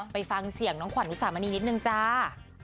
ไปฟังเสียงน้องขวัญอุสามณีนิดนึงจ้า